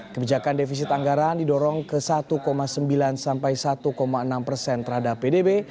kebijakan defisit anggaran didorong ke satu sembilan sampai satu enam persen terhadap pdb